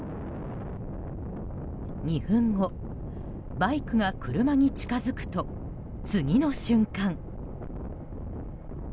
２分後、バイクが車に近づくと次の瞬間。